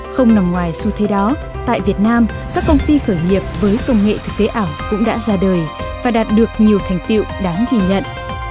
không nằm ngoài xu thế đó tại việt nam các công ty khởi nghiệp với công nghệ thực tế ảo cũng đã ra đời và đạt được nhiều thành tiệu đáng ghi nhận